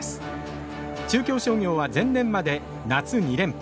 中京商業は前年まで、夏２連覇。